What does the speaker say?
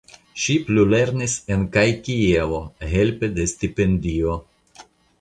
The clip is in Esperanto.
Ŝi plulernis en kaj Kievo helpe de stipendio.